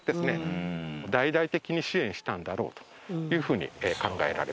大々的に支援したんだろうというふうに考えられます。